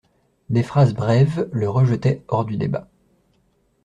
Des phrases brèves le rejetaient hors du débat.